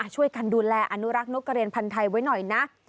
ช่วยกันดูแลอนุรักษ์นกกระเรียนพันธ์ไทยไว้หน่อยนะ